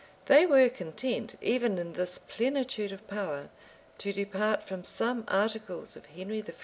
They were content, even in this plenitude of power, to depart from some articles of Henry I.